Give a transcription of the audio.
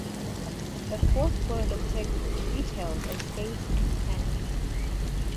The fourth floor depicts details of space and planets.